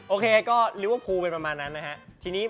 โอเคด้วนไปพักด้วย